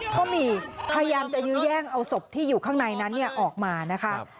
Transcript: ก็มีพยายามจะยื้อแย่งเอาศพที่อยู่ข้างในนั้นออกมานะคะ